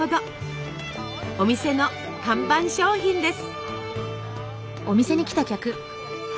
お店の看板商品です。